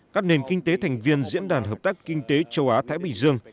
các nền kinh tế thành viên diễn đàn hợp tác kinh tế châu á thái bình dương